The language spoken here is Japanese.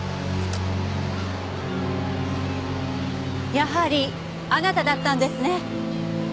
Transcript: やはりあなただったんですね。